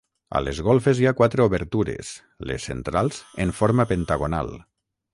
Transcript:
A les golfes hi ha quatre obertures, les centrals en forma pentagonal.